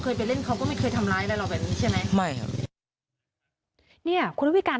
เคยไปเล่นเขาก็ไม่เคยทำร้ายอะไรหรอกใช่ไหมไม่คุณวิการ